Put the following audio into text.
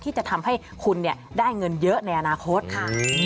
ที่จะทำให้คุณได้เงินเยอะในอนาคตค่ะ